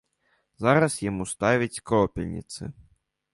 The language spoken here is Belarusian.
Зараз яму ставяць кропельніцы.